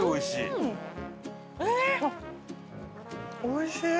おいしい。